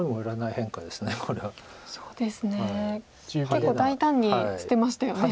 結構大胆に捨てましたよね。